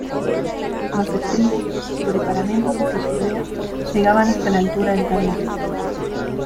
Los estribos, sobre paramentos de sillería, llegaban hasta la altura del tablero.